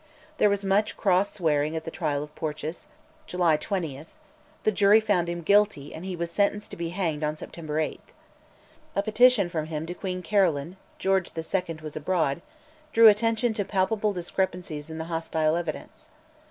There was much "cross swearing" at the trial of Porteous (July 20); the jury found him guilty, and he was sentenced to be hanged on September 8. A petition from him to Queen Caroline (George II. was abroad) drew attention to palpable discrepancies in the hostile evidence.